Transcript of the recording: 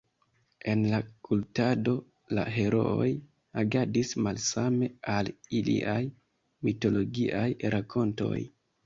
En la kultado, la herooj agadis malsame al iliaj mitologiaj rakontoj.